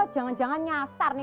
jangan jangan nyasar nih